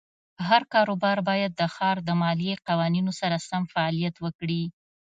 هر کاروبار باید د ښار د مالیې قوانینو سره سم فعالیت وکړي.